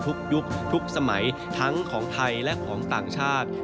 ยุคทุกสมัยทั้งของไทยและของต่างชาติ